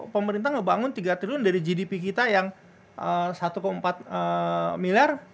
pemerintah ngebangun tiga triliun dari gdp kita yang satu empat miliar